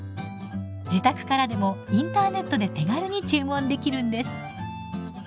自宅からでもインターネットで手軽に注文できるんです。